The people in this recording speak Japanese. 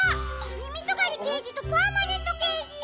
みみとがりけいじとパーマネントけいじ！